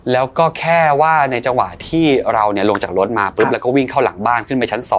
แล้วก็แค่ว่าในจังหวะที่เราลงจากรถมาปุ๊บแล้วก็วิ่งเข้าหลังบ้านขึ้นไปชั้น๒